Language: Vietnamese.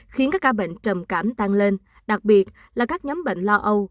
khiến các ca bệnh trầm cảm tăng lên đặc biệt là các nhóm bệnh lo âu